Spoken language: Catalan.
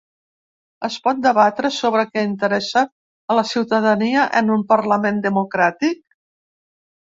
Es pot debatre sobre què interessa a la ciutadania en un parlament democràtic?